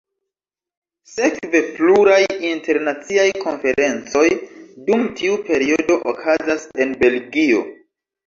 Sekve pluraj internaciaj konferencoj dum tiu periodo okazas en Belgio.